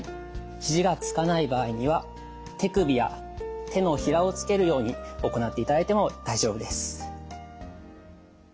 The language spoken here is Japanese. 肘がつかない場合には手首や手のひらをつけるように行っていただいても大丈夫です。